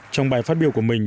trong bài phát biểu của mình